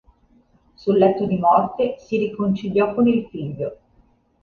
Sul letto di morte si riconciliò con il figlio.